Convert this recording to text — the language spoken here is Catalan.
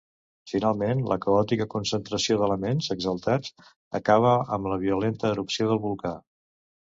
Finalment la caòtica concentració d'elements exaltats acaba amb la violenta erupció del volcà.